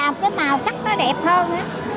màu sắc nó đẹp hơn